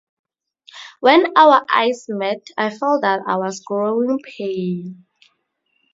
When our eyes met, I felt that I was growing pale.